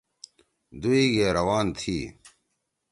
دوئی گے روان تھی۔